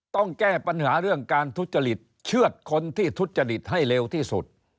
ต้องแก้ปัญหาเรื่องการทุจริตเชื่อดคนที่ทุจริตให้เร็วที่สุด